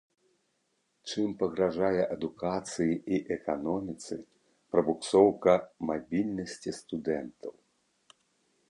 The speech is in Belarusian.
Чым пагражае адукацыі і эканоміцы прабуксоўка мабільнасці студэнтаў.